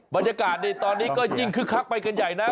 บรรยากาศนี้ตอนนี้ยิงคลักไปเกินใหญ่